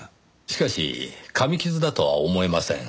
しかし噛み傷だとは思えません。